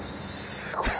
すごい！